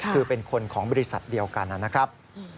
คือเป็นคนของบริษัทเดียวกันนะครับ